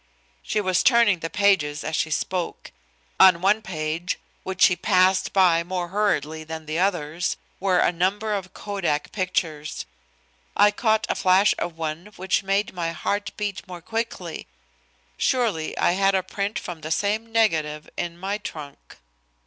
She was turning the pages as she spoke. On one page, which she passed by more hurriedly than the others, were a number of Kodak pictures. I caught a flash of one which made my heart beat more quickly. Surely I had a print from the same negative in my trunk.